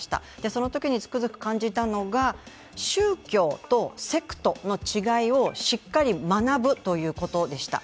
そのときにつくづく感じたのが、宗教とセクトの違いをしっかり学ぶということでした。